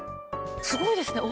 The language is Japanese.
すごいですね。